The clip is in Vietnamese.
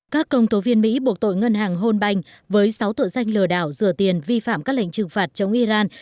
các công tố viên mỹ buộc tội ngân hàng hôn banh với sáu tội danh lừa đảo rửa tiền vi phạm các lệnh trừng phạt chống iran